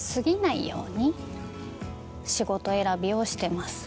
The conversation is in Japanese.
仕事選びをしてます。